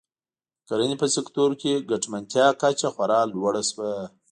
د کرنې په سکتور کې ګټمنتیا کچه خورا لوړه شوه.